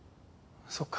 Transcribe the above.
そっか。